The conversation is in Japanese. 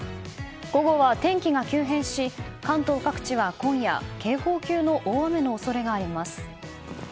午後は天気が急変し関東各地は今夜、警報級の大雨の恐れがあります。